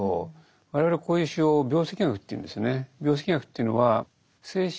我々こういう手法を病跡学というんですね。